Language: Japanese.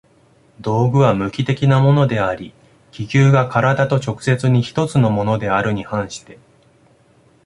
道具は無機的なものであり、器宮が身体と直接に一つのものであるに反して